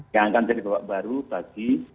yang akan jadi babak baru bagi